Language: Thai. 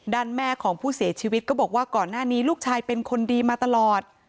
แม่ของผู้เสียชีวิตก็บอกว่าก่อนหน้านี้ลูกชายเป็นคนดีมาตลอด